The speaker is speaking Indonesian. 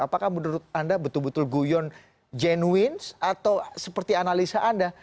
apakah menurut anda betul betul guyon genuins atau seperti analisa anda